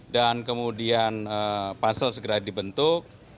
dan kemudian pansel segera dibentuk